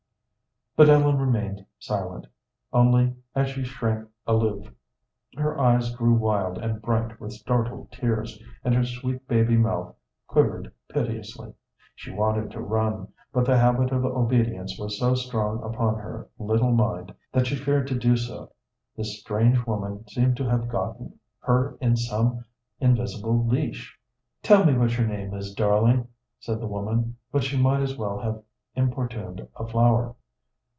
But Ellen remained silent; only, as she shrank aloof, her eyes grew wild and bright with startled tears, and her sweet baby mouth quivered piteously. She wanted to run, but the habit of obedience was so strong upon her little mind that she feared to do so. This strange woman seemed to have gotten her in some invisible leash. "Tell me what your name is, darling," said the woman, but she might as well have importuned a flower.